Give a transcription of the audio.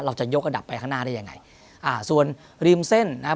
เราจะยกระดับไปข้างหน้าได้ยังไงอ่าส่วนริมเส้นนะครับ